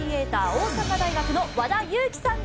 大阪大学の和田有希さんです。